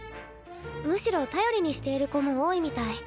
むしろ頼りにしている子も多いみたい。